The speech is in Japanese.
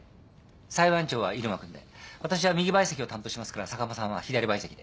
裁判長は入間君で私は右陪席を担当しますから坂間さんは左陪席で。